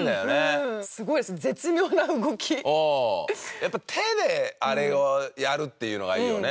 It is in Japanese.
やっぱ手であれをやるっていうのがいいよね。